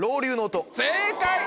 正解！